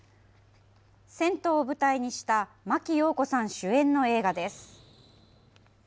銭湯を舞台にした真木よう子さん主演の映画です。